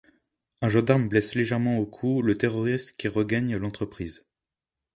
Un gendarme blesse légèrement au cou le terroriste qui regagne l’entreprise.